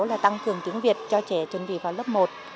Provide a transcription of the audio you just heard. là tăng cường tiếng việt cho trẻ chuẩn bị vào lớp một